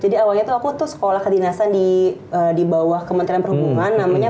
jadi awalnya tuh aku tuh sekolah kedinasan di bawah kementerian perhubungan namanya